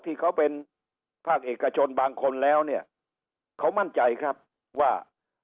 ที่เขาเป็นภาคเอกชนบางคนแล้วเนี่ยเขามั่นใจครับว่า